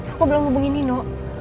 aku belum hubungin nino